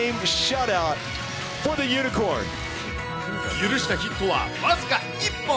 許したヒットは僅か１本。